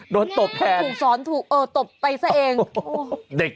โน้ตบแทนแม่คงถูกสอนถูกเออตบไปซะเองโอ้โฮ